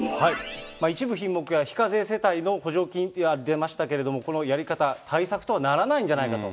一部品目や非課税世帯の補助金案、出ましたけど、このやり方、対策とはならないんじゃないかと。